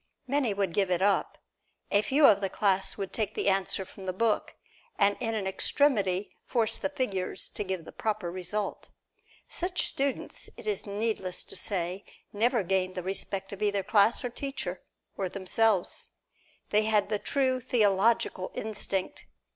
Many would give it up. A few of the class would take the answer from the book, and in an extremity force the figures to give the proper result. Such students, it is needless to say, never gained the respect of either class or teacher or themselves. They had the true theological instinct.